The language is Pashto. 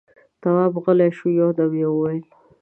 تواب غلی شو، يودم يې وويل: